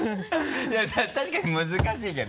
いや確かに難しいけど。